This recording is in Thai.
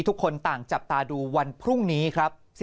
ทุกคนต่างจับตาดูวันพรุ่งนี้ครับ